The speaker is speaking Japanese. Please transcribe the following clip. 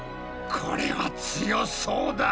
これは強そうだ。